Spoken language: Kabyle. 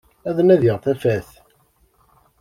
Ad nadiγ tafat.